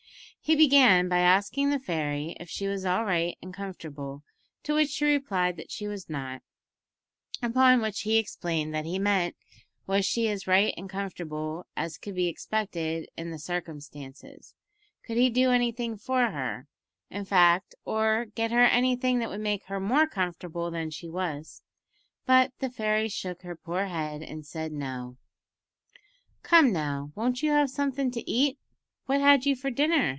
He began by asking the fairy if she was all right and comfortable, to which she replied that she was not; upon which he explained that he meant, was she as right and comfortable as could be expected in the circumstances; could he do anything for her, in fact, or get her anything that would make her more comfortable than she was but the fairy shook her poor head and said, "No." "Come now, won't you have somethin' to eat? What had you for dinner?"